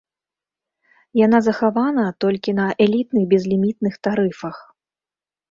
Яна захавана толькі на элітных безлімітных тарыфах.